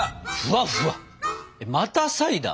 またサイダー？